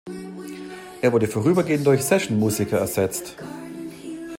Er wurde vorübergehend durch Sessionmusiker ersetzt.